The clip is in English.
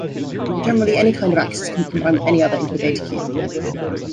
Generally, any kind of axis can be combined with any other into a datacube.